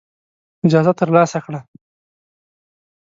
اجازه ترلاسه کړه.